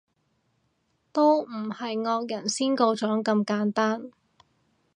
都唔係惡人先告狀咁簡單